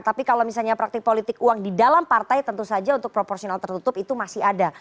tapi kalau misalnya praktik politik uang di dalam partai tentu saja untuk proporsional tertutup itu masih ada